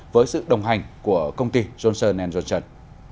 với sự đồng hành của công ty johnson johnson